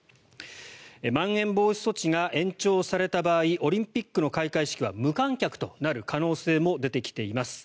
まん延防止措置が延長された場合オリンピックの開会式は無観客となる可能性も出てきています。